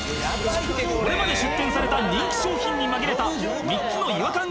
これまで出店された人気商品に紛れた３つの違和感